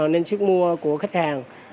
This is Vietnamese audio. nên sức mua của khách hàng